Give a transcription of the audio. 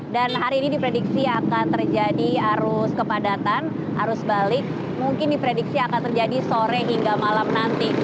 dan hari ini diprediksi akan terjadi arus kepadatan arus balik mungkin diprediksi akan terjadi sore hingga malam nanti